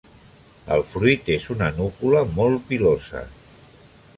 El fruit és una núcula molt pilosa.